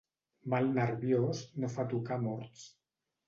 Mal nerviós no fa tocar a morts.